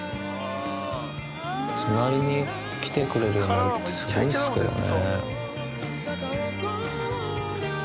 隣に来てくれるようになるってすごいっすけどね。